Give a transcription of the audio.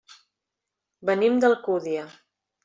Venim d'Alcúdia.